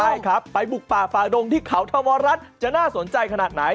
ใช่ครับไปบุกป่าฝ่าดงที่เขาธรรมรัฐจะน่าสนใจขนาดไหน